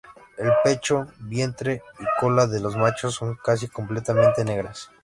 El pecho, vientre y cola de los machos son casi completamente negras.